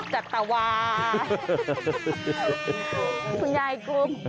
คุณยายกุบ